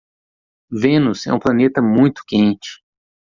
Vênus é um planeta muito quente.